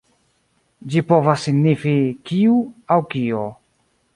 Ĝi povas signifi „kiu“ aŭ „kio“.